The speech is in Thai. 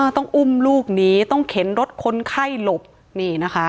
ต้องอุ้มลูกหนีต้องเข็นรถคนไข้หลบนี่นะคะ